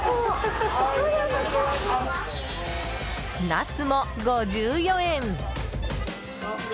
ナスも５４円！